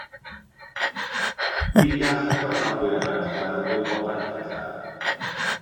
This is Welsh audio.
Ni all y cyfranogwyr eraill weld y wybodaeth bellach